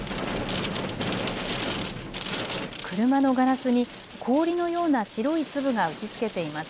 車のガラスに氷のような白い粒が打ちつけています。